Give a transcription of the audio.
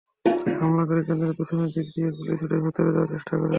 হামলাকারীরা কেন্দ্রের পেছনের দিক দিয়ে গুলি ছুড়ে ভেতরে যাওয়ার চেষ্টা করেন।